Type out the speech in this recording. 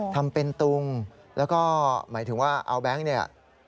ทำเป็นตุงแล้วก็หมายถึงว่าเอาแบงค์เนี่ย